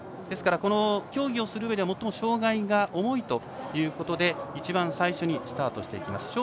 ですから、競技をするうえで最も障がいが重いということで一番最初にスタートします。